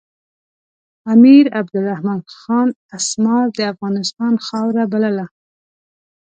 امیر عبدالرحمن خان اسمار د افغانستان خاوره بلله.